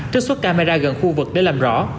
trước suốt camera gần khu vực để làm rõ